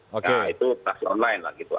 nah itu taksi online lah gitu